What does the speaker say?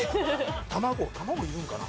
卵卵いるんかな？